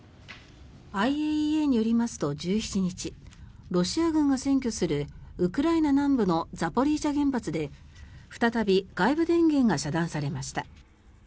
ＩＡＥＡによりますと１７日ロシア軍が占拠するウクライナ南部のザポリージャ原発で再び外部電源が遮断されました。